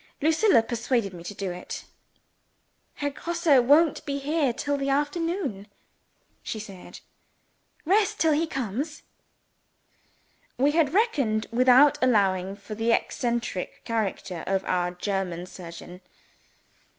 Lucilla persuaded me to do it. "Herr Grosse won't be here till the afternoon," she said. "Rest till he comes." We had reckoned without allowing for the eccentric character of our German surgeon.